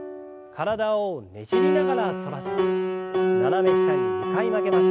体をねじりながら反らせて斜め下に２回曲げます。